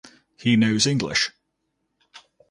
He knows English.